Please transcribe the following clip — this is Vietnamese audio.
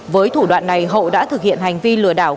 với thủ đoạn này hậu đã thực hiện hành vi lừa đảo